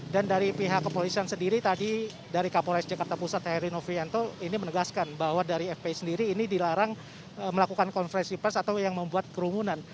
dan dari pihak kepolisian sendiri tadi dari kapolais jakarta pusat heru novianto ini menegaskan bahwa dari fpi sendiri ini dilarang melakukan konferensi pers atau yang membuat kerumunan